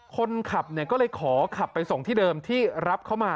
คนขับก็เลยขอขับไปส่งที่เดิมที่รับเขามา